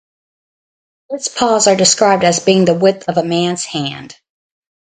Its paws are described as being the width of a man's hand.